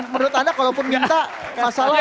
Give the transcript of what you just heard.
menurut anda kalaupun minta mas arief